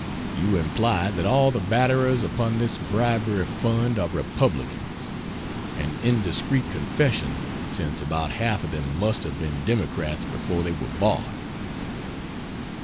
You imply that all the batteners upon this bribery fund are Republicans. An indiscreet confession, since about half of them must have been Democrats before they were bought.